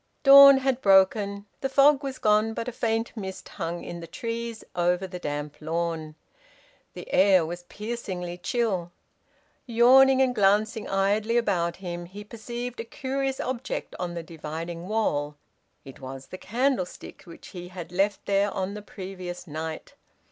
Dawn had broken. The fog was gone, but a faint mist hung in the trees over the damp lawn. The air was piercingly chill. Yawning and glancing idly about him, he perceived a curious object on the dividing wall. It was the candlestick which he had left there on the previous night.